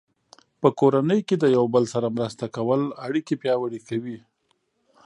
په کورنۍ کې د یو بل سره مرسته کول اړیکې پیاوړې کوي.